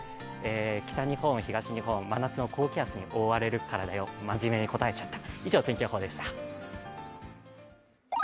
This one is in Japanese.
北日本、東日本、真夏の高気圧に覆われるからだよと、まじめに答えちゃった。